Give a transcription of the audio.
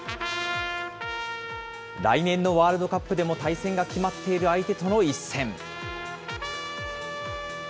来年のワールドカップでも対戦が決まっている相手との一戦。